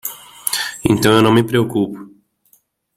Então eu não me preocupo